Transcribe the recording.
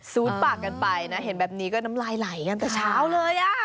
ซูดปากกันไปนะเห็นแบบนี้ก็น้ำลายไหลกันแต่เช้าเลยอ่ะ